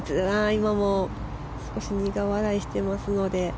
今も苦笑いしていますので。